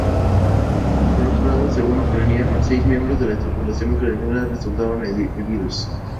Por otro lado, según Ucrania, seis miembros de la tripulación ucraniana resultaron heridos.